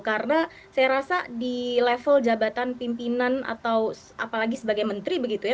karena saya rasa di level jabatan pimpinan atau apalagi sebagai menteri begitu ya